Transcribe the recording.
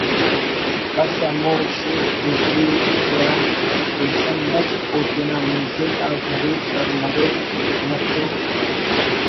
کس ہمو شیف بڑزی تیان پیشن مس او تینا مزل آضرور سر مریک نہ تو